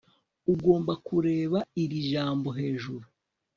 Ugomba kureba iri jambo hejuru